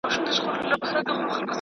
ولې والی د نظري پوښتنو اصلي ټکی دی.